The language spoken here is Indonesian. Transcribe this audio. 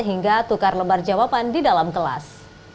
hingga tukar lembar jawaban di dalam kelas